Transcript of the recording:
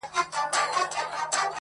هسي نه چي ستا په لاره کي اغزی سي-